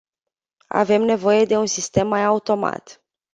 Avem nevoie de un sistem mai automat.